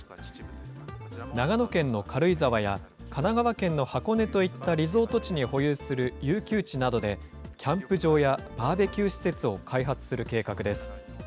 長野県の軽井沢や神奈川県の箱根などといったリゾート地に保有する遊休地などで、キャンプ場やバーベキュー施設を開発する計画です。